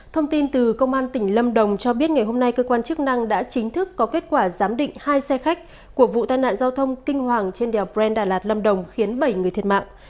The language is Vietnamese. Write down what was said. thông tin từ công an tỉnh lâm đồng cho biết ngày hôm nay cơ quan chức năng đã chính thức có kết quả giám định hai xe khách của vụ tai nạn giao thông kinh hoàng trên đèo brand đà lạt lâm đồng khiến bảy người thiệt mạng